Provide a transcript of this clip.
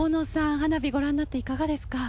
花火ご覧になって、いかがですか。